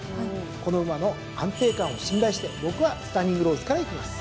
この馬の安定感を信頼して僕はスタニングローズからいきます。